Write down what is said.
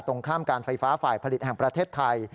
ตรงข้ามการไฟฟ้าฝ่ายผลิตแห่งประเทศไทย